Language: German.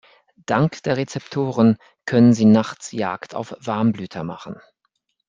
Dank der Rezeptoren können sie nachts Jagd auf Warmblüter machen.